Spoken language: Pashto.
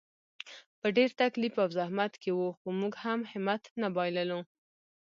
په ډېر تکلیف او زحمت کې وو، خو موږ هم همت نه بایللو.